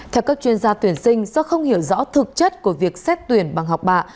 theo các chuyên gia tuyển sinh do không hiểu rõ thực chất của việc xét tuyển bằng học bạ